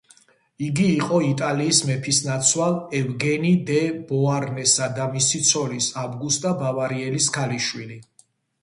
იგი იყო იტალიის მეფისნაცვალ ევგენი დე ბოარნესა და მისი ცოლის, ავგუსტა ბავარიელის ქალიშვილი.